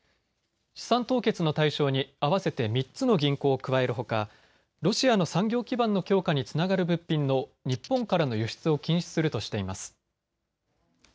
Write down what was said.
資産凍結の対象に合わせて３つの銀行を加えるほかロシアの産業基盤の強化につながる物品の日本からの輸出を禁止するとしています。